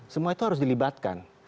semua itu harus dilibatkan